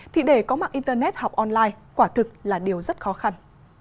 thì để có mạng internet học online quả thực là điều rất khó khăn